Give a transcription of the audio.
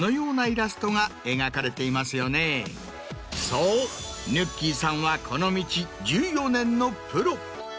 そうぬっきぃさんはこの道１４年のプロ。